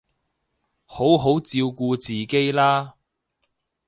好好照顧自己啦